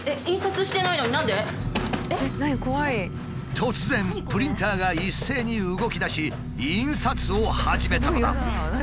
突然プリンターが一斉に動きだし印刷を始めたのだ。